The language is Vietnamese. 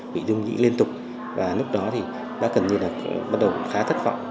bị rung nhĩ liên tục và lúc đó thì bác cần như là bắt đầu khá thất vọng